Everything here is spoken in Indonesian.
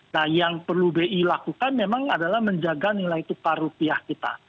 nah yang perlu bi lakukan memang adalah menjaga nilai tukar rupiah kita